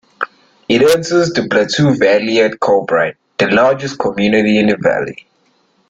It enters the Plateau Valley at Collbran, the largest community in the valley.